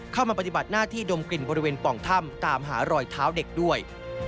เข้ามาปฏิบัติหน้าที่ดมกลิ่นบริเวณป่องถ้ำตามหารอยเท้าเด็กด้วย